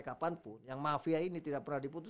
kapanpun yang mafia ini tidak pernah diputus